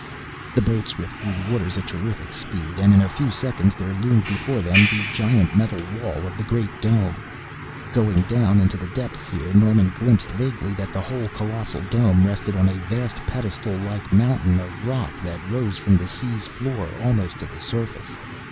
The boats ripped through the waters at terrific speed and in a few seconds there loomed before them the giant metal wall of the great dome, going down into the depths here. Norman glimpsed vaguely that the whole colossal dome rested on a vast pedestal like mountain of rock that rose from the sea's floor almost to the surface.